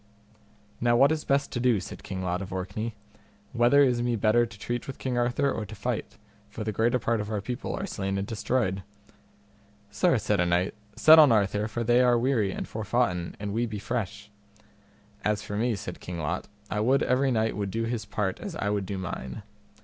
Now what is best to do? said King Lot of Orkney; whether is me better to treat with King Arthur or to fight, for the greater part of our people are slain and destroyed? Sir, said a knight, set on Arthur for they are weary and forfoughten and we be fresh. As for me, said King Lot, I would every knight would do his part as I would do mine.